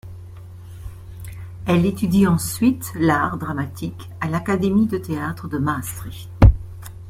Elle étudie ensuite l'art dramatique à l'Académie de Théâtre de Maastricht.